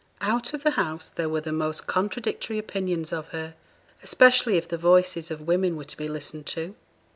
Out of the house there were the most contradictory opinions of her, especially if the voices of women were to be listened to.